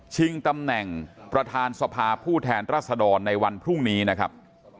ตำแหน่งประธานสภาผู้แทนรัศดรในวันพรุ่งนี้นะครับ